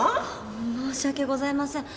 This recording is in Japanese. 申し訳ございません。